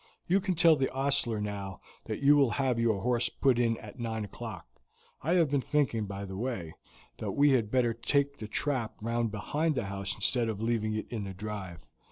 You can tell the ostler now that you will have your horse put in at nine o'clock. I have been thinking, by the way, that we had better take the trap round behind the house instead of leaving it in the drive.